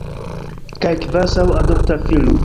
Kaj kvazaŭ adopta filo.